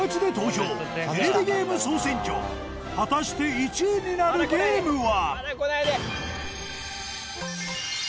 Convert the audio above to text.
果たして１位になるゲームは？